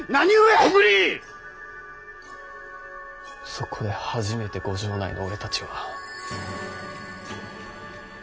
そこで初めて御城内の俺たちは鳥羽伏見で。